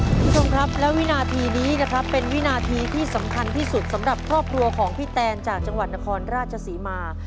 คุณผู้ชมครับและวินาทีนี้นะครับเป็นวินาทีที่สำคัญที่สุดสำหรับครอบครัวของพี่แตนจากจังหวัดนครราชศรีมา